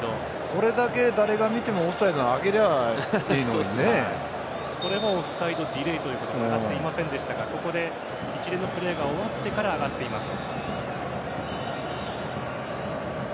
これだけ誰が見てもオフサイドならそれもオフサイドディレイということで上がっていませんでしたがここで一連のプレーが終わってから上がっています。